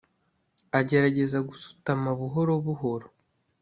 agerageza gusutama buhoro buhoro